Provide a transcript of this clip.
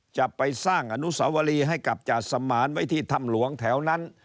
จะไปสร้างอนุสาวรีให้กับจาสมานไว้ที่ถ้ำหลวงแถวนั้น